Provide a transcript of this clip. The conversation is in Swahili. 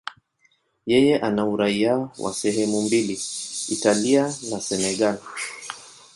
Yeye ana uraia wa sehemu mbili, Italia na Senegal.